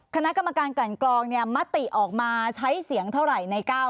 คณะกรรมการกลั่นกลองเนี่ยมติออกมาใช้เสียงเท่าไหร่ใน๙